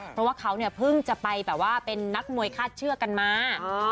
เพราะว่าเขาเพิ่งจะไปเป็นนักมวยฆาตเชื่อกันมา